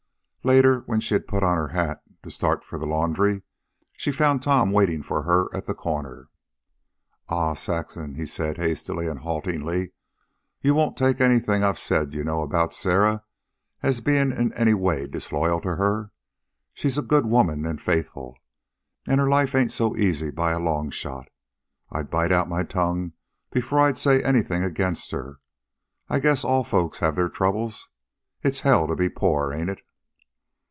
Later, when she had put on her hat to start for the laundry, she found Tom waiting for her at the corner. "An', Saxon," he said, hastily and haltingly, "you won't take anything I've said... you know... about Sarah... as bein' in any way disloyal to her? She's a good woman, an' faithful. An' her life ain't so easy by a long shot. I'd bite out my tongue before I'd say anything against her. I guess all folks have their troubles. It's hell to be poor, ain't it?"